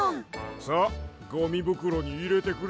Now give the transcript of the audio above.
さあゴミぶくろにいれてくれ。